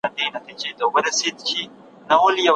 ډیډیموس او ډیمورفوس ماموریت بریالی و.